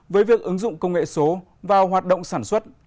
với việc ứng dụng công nghệ số vào hoạt động sản xuất